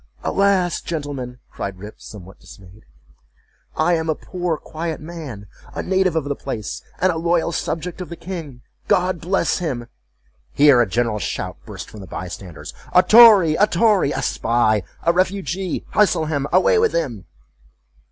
—"Alas! gentlemen," cried Rip, somewhat dismayed, "I am a poor quiet man, a native of the place, and a loyal subject of the king, God bless him!"Here a general shout burst from the by standers—"A tory! a tory! a spy! a refugee! hustle him! away with him!"